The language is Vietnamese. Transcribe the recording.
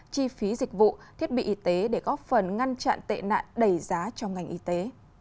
chi phí dịch vụ thiết bị y tế để góp phần ngăn chặn tệ nạn đầy giá trong ngành y tế